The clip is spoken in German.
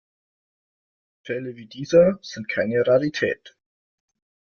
Fälle wie dieser sind keine Rarität.